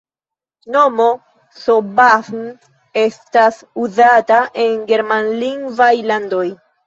Nomo S-Bahn estas uzata en germanlingvaj landoj.